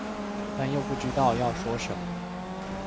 但又不知道要說什麼